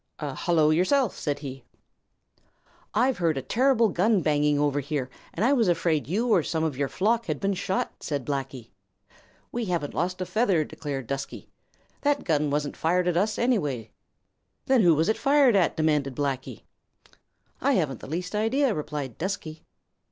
"Hello, yourself," said he. "I've heard a terrible gun banging over here, and I was afraid you or some of your flock had been shot," said Blacky. "We haven't lost a feather," declared Dusky. "That gun wasn't fired at us, anyway." "Then who was it fired at?" demanded Blacky. "I haven't the least idea," replied Dusky.